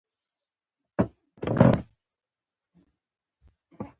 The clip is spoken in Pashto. ته کامیاب یې تا تېر کړی تر هرڅه سخت امتحان دی